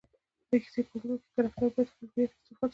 د کیسې په اوږدو کښي کرکټرباید خپل هویت اوصفات وساتي.